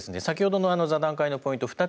先ほどの座談会のポイント